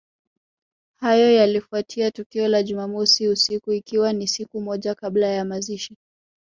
Hayo yalifuatia tukio la jumamosi usiku ikiwa ni siku moja kabla ya mazishi